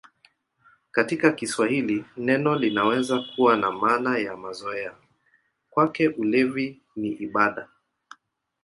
Katika Kiswahili neno linaweza kuwa na maana ya mazoea: "Kwake ulevi ni ibada".